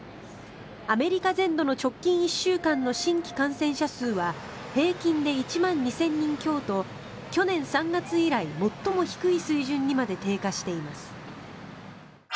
アメリカ全土の直近１週間の新規感染者数は平均で１万２０００人強と去年の３月以来最も低い水準にまで低下しています。